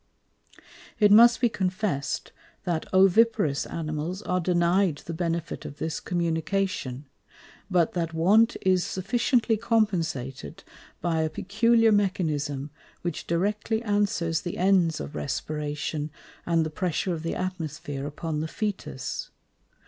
It must be confess'd, that Oviparous Animals are denied the benefit of this Communication; but that want is sufficiently compensated by a peculiar Mechanism, which directly answers the ends of Respiration, and the pressure of the Atmosphere upon the Fœtus.